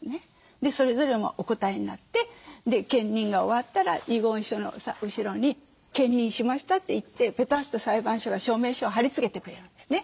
でそれぞれもお答えになって検認が終わったら遺言書の後ろに検認しましたといってぺたっと裁判所が証明書を貼り付けてくれるんですね。